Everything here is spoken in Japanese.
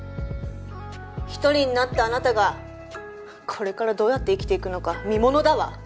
１人になったあなたがこれからどうやって生きていくのか見ものだわ。